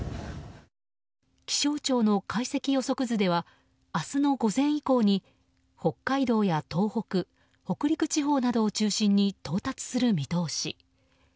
気象庁の解析予測図では明日の午前以降に北海道や東北北陸地方などを中心に到達する見通し。